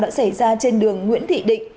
đã xảy ra trên đường nguyễn thị định